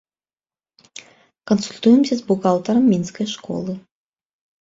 Кансультуемся з бухгалтарам мінскай школы.